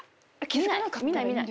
見ない見ない。